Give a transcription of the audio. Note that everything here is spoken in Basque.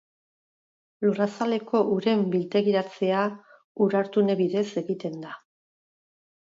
Lurrazaleko uren biltegiratzea ur-hartune bidez egiten da.